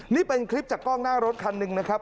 นี่เป็นคลิปจากกล้องหน้ารถคันหนึ่งนะครับ